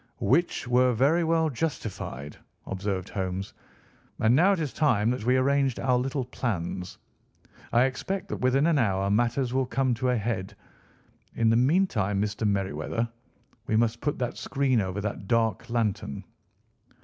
"Which were very well justified," observed Holmes. "And now it is time that we arranged our little plans. I expect that within an hour matters will come to a head. In the meantime Mr. Merryweather, we must put the screen over that dark lantern."